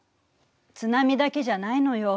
津波だけじゃないのよ。